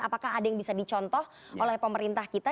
apakah ada yang bisa dicontoh oleh pemerintah kita